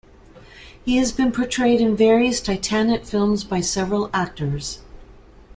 He has been portrayed in various "Titanic" films by several actors.